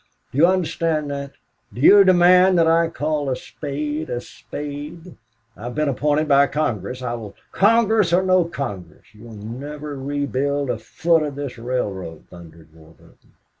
Do you understand that? Do you demand that I call a spade a spade?" "I have been appointed by Congress. I will " "Congress or no Congress, you will never rebuild a foot of this railroad," thundered Warburton.